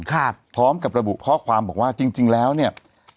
พร้อมกับระบุข้อความบอกว่าจริงจริงแล้วเนี่ย